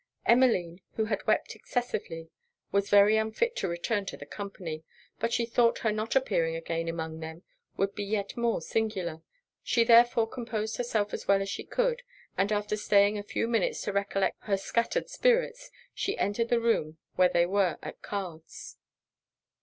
Emmeline, who had wept excessively, was very unfit to return to the company; but she thought her not appearing again among them would be yet more singular. She therefore composed herself as well as she could; and after staying a few minutes to recollect her scattered spirits, she entered the room where they were at cards.